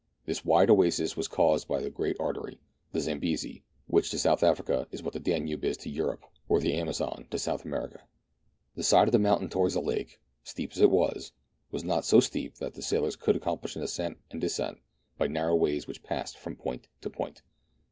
This wide oasis was caused by the great artery, the Zambesi, which is to South Africa what the Danube is to Europe, or the Amazon to South America. The side of the mountain towards the lake, steep as it was, was not so steep but that the sailors could accomplish an ascent and descent by a narrow way which passed from point to point.